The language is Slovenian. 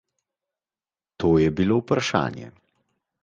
To je bilo vprašanje.